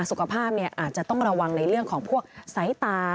สุขภาพอาจจะต้องระวังในเรื่องของพวกสายตา